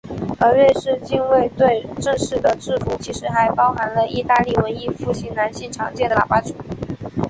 而瑞士近卫队正式的制服其实还包含了义大利文艺复兴男性常见的喇叭裙。